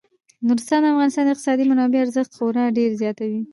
نورستان د افغانستان د اقتصادي منابعو ارزښت خورا ډیر زیاتوي.